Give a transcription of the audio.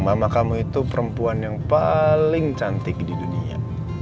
mama kamu itu perempuan yang paling cantik di dunia